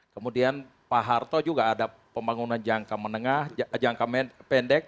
kemudian pak harto juga ada pembangunan jangka menengah jangka pendek